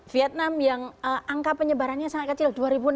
vietnam yang angka penyebarannya sangat kecil dua enam ratus